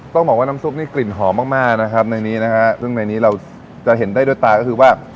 ต้องบอกว่าน้ำซุปนี่กลิ่นหอมมากมากนะครับในนี้นะฮะซึ่งในนี้เราจะเห็นได้ด้วยตาก็คือว่า